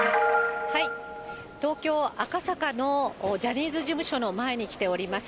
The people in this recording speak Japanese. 東京・赤坂のジャニーズ事務所の前に来ております。